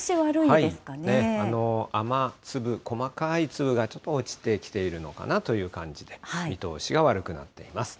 雨粒、細かい粒がちょっと落ちてきているのかなという感じで、見通しが悪くなっています。